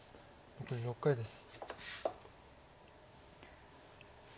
残り６回です。